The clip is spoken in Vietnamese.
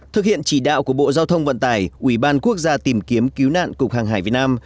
thực hiện chỉ đạo của bộ giao thông vận tải ubnd tìm kiếm cứu nạn cục hàng hải việt nam